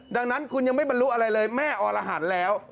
ดังนั้นคุณยังไม่บรรลุอะไรเลยแม่อรหันต์แล้ว